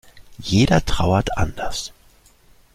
Jeder trauert anders.